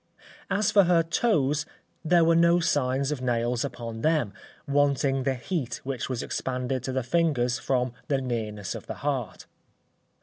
As for her toes, there were no signs of nails upon them, wanting the heat which was expanded to the fingers from the nearness of the heart.